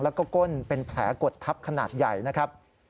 แล้วก็ก้นเป็นแผลกดทับขนาดใหญ่นะครับ